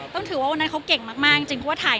ต้องถือว่าเรารอที่นี่เก่งมาก